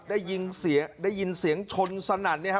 ได้หยินเสียได้ยินเสียงชนสนัดนี้ฮะ